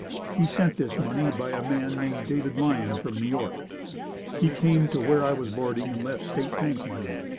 He sent this money by a man named David Lyon from New York. He came to where I was boarding and left State Bank money.